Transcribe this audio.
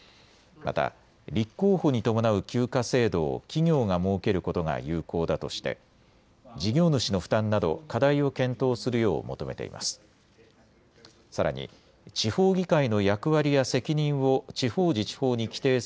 また立候補に伴う休暇制度を企業が設けることが有効だとして事業主の負担など課題を検討するよう求めています。